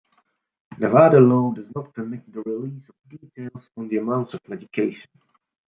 Nevada law does not permit the release of details on the amounts of medication.